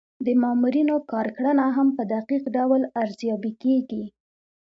د مامورینو کارکړنه هم په دقیق ډول ارزیابي کیږي.